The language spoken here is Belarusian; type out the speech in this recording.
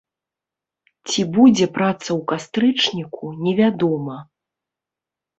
Ці будзе праца ў кастрычніку, невядома.